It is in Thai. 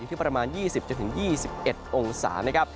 อยู่ที่ประมาณ๒๐๒๑องศา